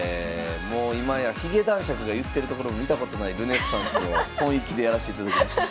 もう今や髭男爵が言ってるところを見たことない「ルネッサンス」をほんいきでやらしていただきました。